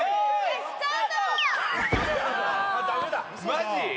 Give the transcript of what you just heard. マジ？